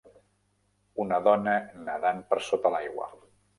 Una dona nedant per sota l'aigua.